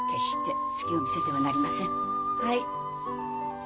はい。